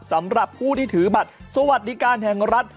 สำหรับผู้ที่ถือบัตรสวัสดิการแห่งรัฐ